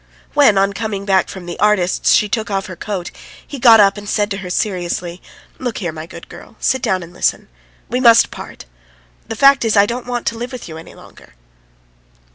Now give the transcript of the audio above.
When, on coming back from the artist's, she took off her coat, he got up and said to her seriously: "Look here, my good girl ... sit down and listen. We must part! The fact is, I don't want to live with you any longer."